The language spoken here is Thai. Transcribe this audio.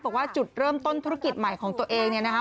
บอกว่าจุดเริ่มต้นธุรกิจใหม่ของตัวเองเนี่ยนะคะ